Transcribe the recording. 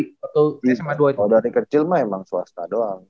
kalau dari kecil mah emang swasta doang